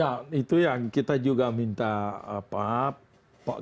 ya itu yang kita juga minta apa